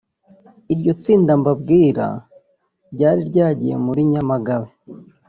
Iryo tsinda mbabwira ryari ryagiye muri Nyamagabe